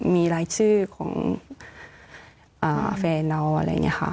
มีรายชื่อของแฟนเราอะไรเนี่ยค่ะ